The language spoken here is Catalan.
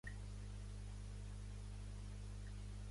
Pega és considerada santa per l'Església Catòlica i per l'Anglicana.